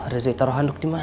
reno taro kanduk dimana ya